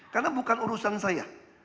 karena bukan urusan saya